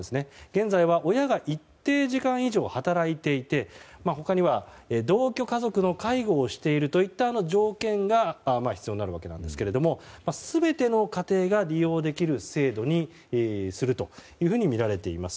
現在は親が一定時間以上働いていて他には、同居家族の介護をしているといった条件が必要になるわけですが全ての家庭が利用できる制度にするとみられています。